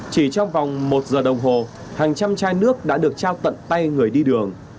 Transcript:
chỉ trong vòng một giờ đồng hồ hàng trăm chai nước đã được trao tận tay người đi đường